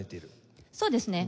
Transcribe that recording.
そうですね。